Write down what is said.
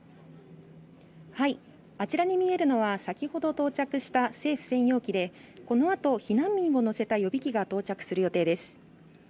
あちらに見えるのは先ほど到着した政府専用機でこのあと避難民を乗せた予備機が到着する予定です